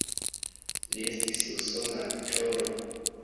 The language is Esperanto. Li estis usona aktoro.